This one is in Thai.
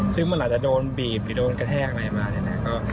ซึ่งมันล่าจะโดนบีบหรือกระแทกไรมาเนี้ยนะคะ